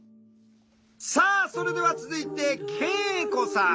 さあそれでは続いて圭永子さん。